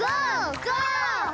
ゴー！